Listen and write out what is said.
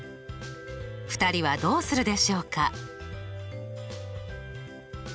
２人はどうするでしょうか？